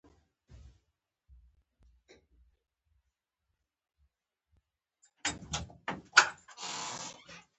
د خوست په تڼیو کې څه شی شته؟